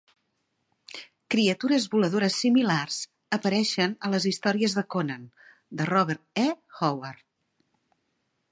Criatures voladores similars apareixen a les històries de Conan de Robert E. Howard.